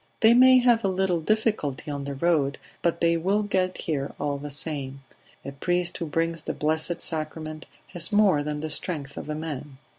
"They may have a little difficulty on the road, but they will get here all the same. A priest who brings the Blessed Sacrament has more than the strength of a man."